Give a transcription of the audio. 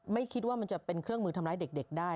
ไม่คิดว่ามันจะเป็นเครื่องมือทำร้ายเด็กได้